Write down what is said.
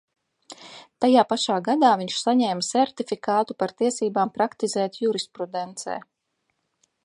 Tajā pašā gadā viņš saņēma sertifikātu par tiesībām praktizēt jurisprudencē.